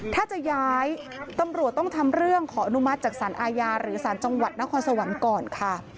ถ้าจะย้ายตำรวจต้องทำเรื่องขออนุมัติจากสารอาญาหรือสารจังหวัดนครสวรรค์ก่อนค่ะ